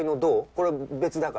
これは別だから。